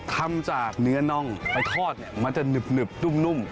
ทำจากเนื้อน่องไปทอดเนี่ยมันจะหนึบนุ่ม